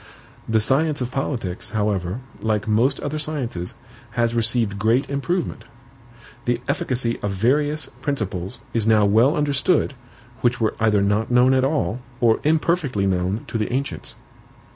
The science of politics, however, like most other sciences, has received great improvement. The efficacy of various principles is now well understood, which were either not known at all, or imperfectly known to the ancients.